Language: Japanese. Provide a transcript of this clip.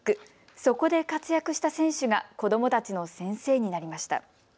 そこで活躍した選手が子どもたちの先生になりました。